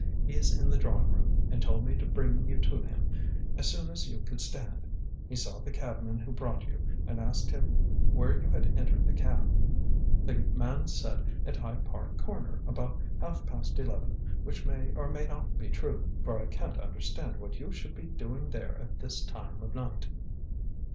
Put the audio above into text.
He's in the drawing room, and told me to bring you to him as soon as you could stand. He saw the cabman who brought you, and asked him where you had entered the cab. The man said at Hyde Park Corner about half past eleven, which may or may not be true, for I can't understand what you should be doing there at this time of night."